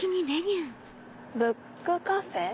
「ブックカフェ」。